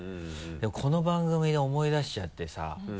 この番組で思い出しちゃってさ。